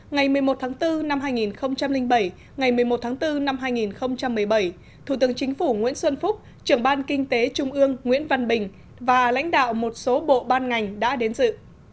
ngày một mươi một tháng bốn năm hai nghìn bảy ngày một mươi một tháng bốn năm hai nghìn một mươi bảy thủ tướng chính phủ nguyễn xuân phúc trưởng ban kinh tế trung ương nguyễn văn bình và lãnh đạo một số bộ ban ngành đã đến dự